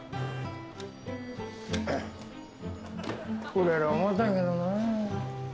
売れる思たんけどなぁ。